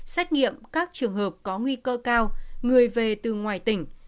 xét nghiệm các trường hợp có nguy cơ cao người về từ ngoài tỉnh